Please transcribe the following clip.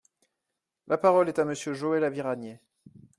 La parole est à Monsieur Joël Aviragnet.